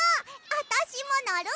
あたしものる！